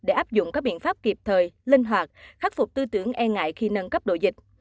để áp dụng các biện pháp kịp thời linh hoạt khắc phục tư tưởng e ngại khi nâng cấp độ dịch